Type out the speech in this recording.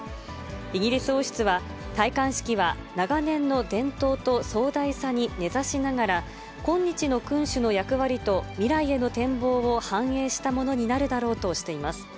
イギリス王室は、戴冠式は、長年の伝統と壮大さに根ざしながら、今日の君主の役割と未来への展望を反映したものになるだろうとしています。